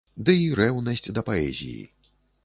Дый рэўнасць да паэзіі.